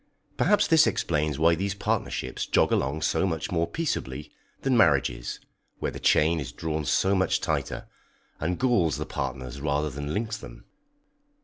Perhaps this explains why these partnerships jog along so much more peaceably than marriages, where the chain is drawn so much tighter, and galls the partners rather than links them.